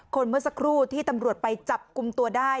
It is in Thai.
เมื่อสักครู่ที่ตำรวจไปจับกลุ่มตัวได้